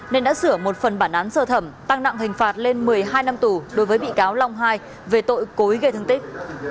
nên đã sửa một phần bản án sơ thẩm tăng nặng hình phạt lên một mươi hai năm tù đối với bị cáo long hai về tội cối gây thương tích